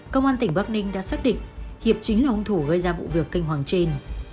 cơ quan tỉnh bắc ninh đã xác định hiệp chính là hùng thủ gây ra vụ việc kinh hoàng trên